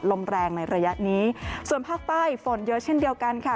ลมแรงในระยะนี้ส่วนภาคใต้ฝนเยอะเช่นเดียวกันค่ะ